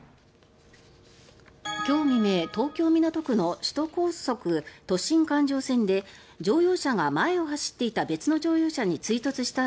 今日未明東京・港区の首都高都心環状線で乗用車が、前を走っていた別の乗用車に追突した